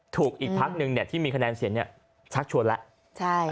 ถูกอีกพักนึงเนี่ยที่มีคะแนนเสียงเนี่ยชักชวนแล้ว